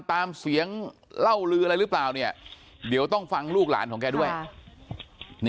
ตามเสียงเล่าลืออะไรหรือเปล่าเนี่ยเดี๋ยวต้องฟังลูกหลานของแกด้วย